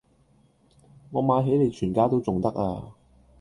我買起你全家都重得呀